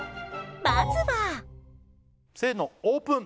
まずはせーのオープン！